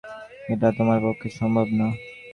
এটা তোমার পক্ষে সম্ভব না।